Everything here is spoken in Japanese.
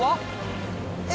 え！